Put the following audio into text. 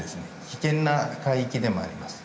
危険な海域でもあります。